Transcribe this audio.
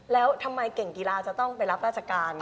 แล้วทำไมเก่งกีฬาจะต้องไปรับราชการ